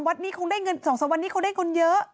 วัดนี้คงได้เงิน๒๓วันนี้เขาได้คนเยอะ